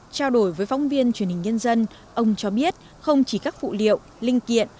trao đổi với phóng viên truyền hình nhân dân ông cho biết không chỉ các phụ liệu linh kiện